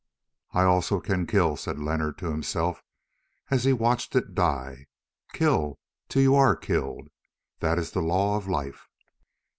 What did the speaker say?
"I also can kill," said Leonard to himself as he watched it die. "Kill till you are killed—that is the law of life."